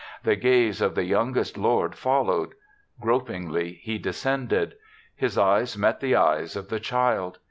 The gaze of the youngest lord followed. Grop ingly he descended. His eyes met the eyes of the child.